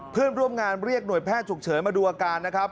เพื่อนร่วมงานเรียกหน่วยแพทย์ฉุกเฉินมาดูอาการนะครับ